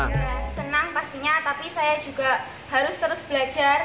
saya senang pastinya tapi saya juga harus terus belajar